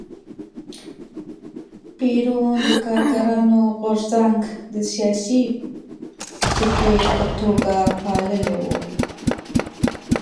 پېرون د کارګرانو غورځنګ د سیاسي تکیې په توګه پاللی و.